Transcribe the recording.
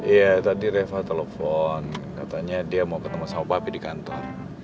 iya tadi reva telepon katanya dia mau ketemu sama babi di kantor